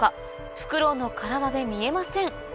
フクロウの体で見えません